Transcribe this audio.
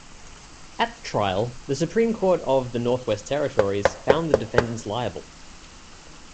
At trial, the Supreme Court of the Northwest Territories found the defendants liable.